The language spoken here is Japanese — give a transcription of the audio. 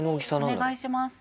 お願いします